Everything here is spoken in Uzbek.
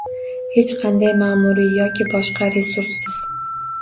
Hech qanday ma’muriy yoki boshqa resurssiz?